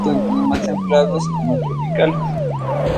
Las cigarras pueden vivir tanto en climas templados como tropicales.